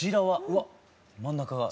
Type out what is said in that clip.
うわっ真ん中が。